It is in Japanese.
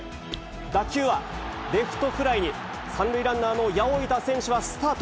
打球はレフトフライに、３塁ランナーの八百板選手がスタート。